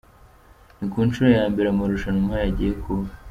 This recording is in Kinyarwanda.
Ni ku nshuro ya mbere amarushanwa nk’aya agiye kuba.